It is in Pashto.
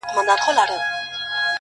له دې سببه دی چي شپه ستایمه,